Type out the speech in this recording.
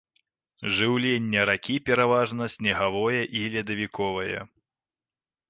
Жыўленне ракі пераважна снегавое і ледавіковае.